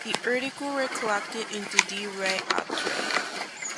The articles were collected into "De Re Atari".